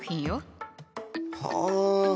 はあ。